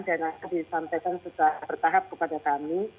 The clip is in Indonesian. dan disampaikan sudah bertahap kepada kami